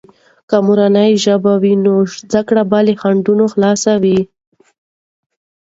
که مورنۍ ژبه وي، نو زده کړه به له خنډونو خالي وي.